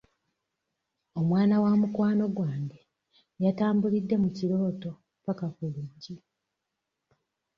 Omwana wa mukwano gwange yatambulidde mu kirooto ppaka ku luggi.